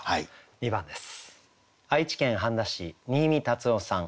２番です。